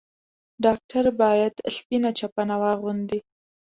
ډاکټر بايد سپينه چپنه واغوندي.